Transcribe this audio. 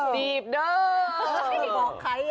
ดีบด้วย